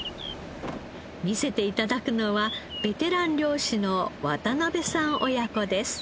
見せて頂くのはベテラン漁師の渡辺さん親子です。